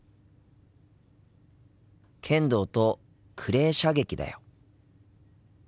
剣道とクレー射撃だよ。